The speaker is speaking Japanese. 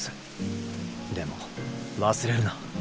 でも忘れるな。